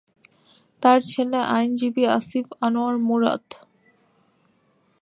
তার ছেলে আইনজীবী আসিফ আনোয়ার মুরাদ।